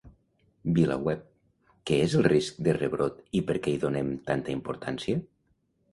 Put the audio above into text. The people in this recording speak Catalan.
VilaWeb: Què és el risc de rebrot i per què hi donem tanta importància?